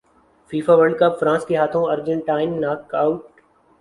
FIFA World Cup France کے ہاتھوں Argentine knock it